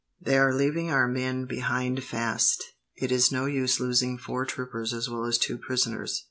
They are leaving our men behind fast. It is no use losing four troopers as well as two prisoners."